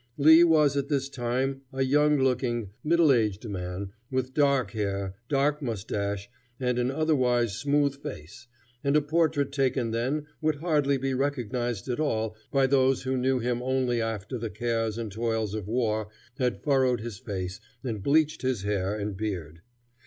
Lee was at this time a young looking, middle aged man, with dark hair, dark moustache, and an otherwise smooth face, and a portrait taken then would hardly be recognized at all by those who knew him only after the cares and toils of war had furrowed his face and bleached his hair and beard.